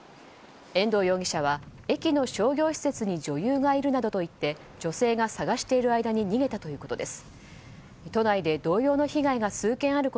遠藤容疑者は駅の商業施設に女優がいるなどと言って女性が探している間に逃げたということです。